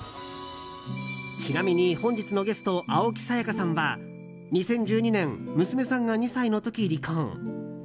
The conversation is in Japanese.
ちなみに、本日のゲスト青木さやかさんは２０１２年娘さんが２歳の時、離婚。